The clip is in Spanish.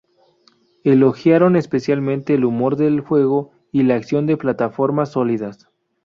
Elogiaron especialmente el humor del juego y la acción de plataformas sólidas.